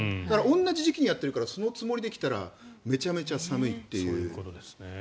同じ時期にやっているからそのつもりで来たらめちゃめちゃ寒いという。